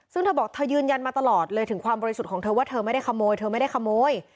ซึ่งเธอบอกเธอยืนยันมาตลอดเลยถึงความบริสุทธิ์ของเธอว่าเธอไม่ได้ขโมยเธอไม่ได้ขโมย